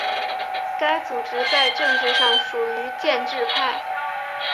该组织在政治上属于建制派。